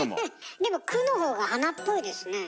でも「く」の方が鼻っぽいですね。